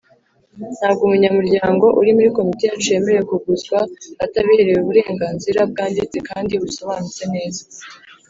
Ntabwo umunyamuryango uri muri Komite yacu yemerewe kuguzwa atabiherewe uburenganzira bwanditse kandi busobanutse neza.